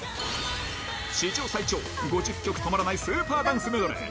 史上最長５０曲止まらないスーパーダンスメドレー。